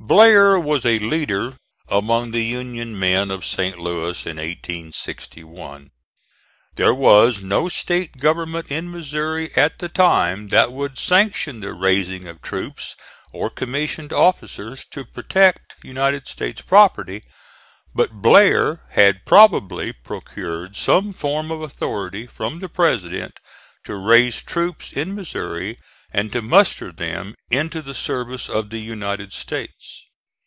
Blair was a leader among the Union men of St. Louis in 1861. There was no State government in Missouri at the time that would sanction the raising of troops or commissioned officers to protect United States property, but Blair had probably procured some form of authority from the President to raise troops in Missouri and to muster them into the service of the United States.